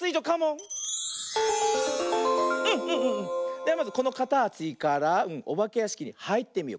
ではまずこのかたちからおばけやしきにはいってみよう。